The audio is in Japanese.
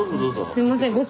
すいません。